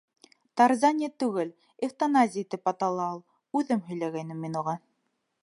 — Тарзания түгел, эвтаназия тип атала ул. Үҙем һөйләгәйнем мин уға.